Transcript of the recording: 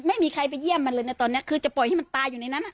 ไม่มีใครไปเยี่ยมมันเลยนะตอนนี้คือจะปล่อยให้มันตายอยู่ในนั้น